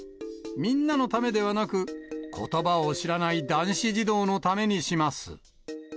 みんなのためではなく、ことばを知らない男子児童のためにします。